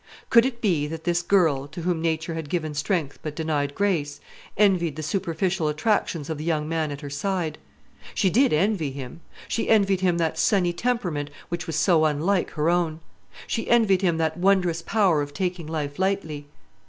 Could it be that this girl, to whom nature had given strength but denied grace, envied the superficial attractions of the young man at her side? She did envy him; she envied him that sunny temperament which was so unlike her own; she envied him that wondrous power of taking life lightly.